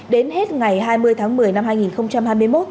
đến hết ngày hai mươi tháng một mươi năm hai nghìn hai mươi một